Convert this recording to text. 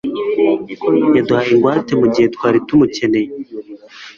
Yaduhaye ingwate mugihe twari tumukeneye